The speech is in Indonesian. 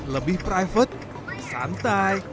lebih private santai